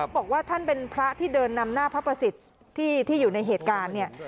บอกว่าท่านเป็นพระที่เดินนำหน้าพระประสิทธิ์ที่อยู่ในเหตุการณ์เนี่ย